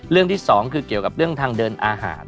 ที่สองคือเกี่ยวกับเรื่องทางเดินอาหาร